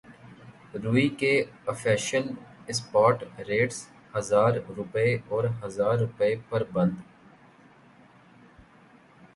روئی کے official spot rates ہزار روپے اور ہزار روپے پر بند